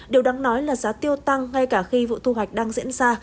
điều đáng nói là giá tiêu tăng ngay cả khi vụ thu hoạch đang diễn ra